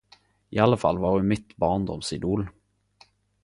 Iallfall var ho mitt barndoms idol!